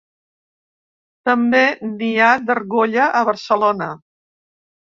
També n'hi ha d'argolla a Barcelona.